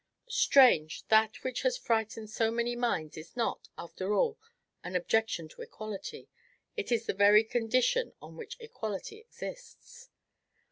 Strange! that which has frightened so many minds is not, after all, an objection to equality it is the very condition on which equality exists!...